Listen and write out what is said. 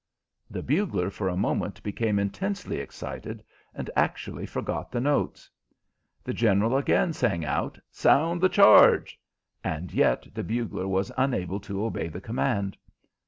The bugler for a moment became intensely excited, and actually forgot the notes. The General again sang out, "Sound the charge!" and yet the bugler was unable to obey the command.